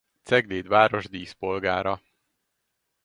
Cegléd Város Díszpolgára.